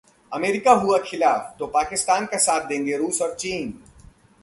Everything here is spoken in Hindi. अमेरिका हुआ खिलाफ, तो पाकिस्तान का साथ देंगे रूस और चीन!